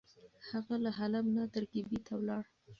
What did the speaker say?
هغه له حلب نه ترکیې ته ولاړ.